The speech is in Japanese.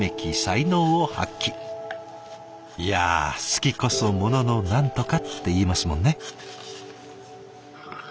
いや好きこそものの何とかって言いますもんね。